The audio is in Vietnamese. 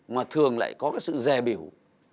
mà thường lại có cái sự dè biểu